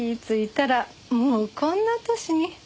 ついたらもうこんな年に。